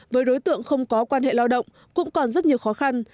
với đối tượng không có quan hệ lao động cũng còn rất nhiều khó khăn